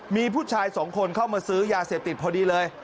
มีผู้ชายสองคนเข้ามาซื้อยาเสพติดพอดีเลย